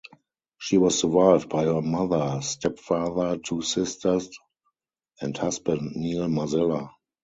She was survived by her mother, stepfather, two sisters, and husband, Neil Mazzella.